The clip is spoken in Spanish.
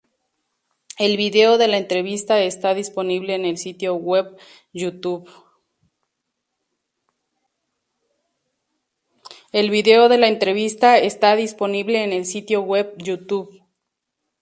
El video de la entrevista está disponible en el sitio web YouTube.